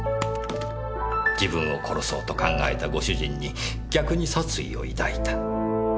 自分を殺そうと考えたご主人に逆に殺意を抱いた。